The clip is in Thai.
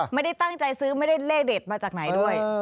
ไม่ได้ตั้งใจซื้อไม่ได้เลขเด็ดมาจากไหนด้วย